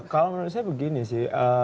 kalau menurut saya begini sih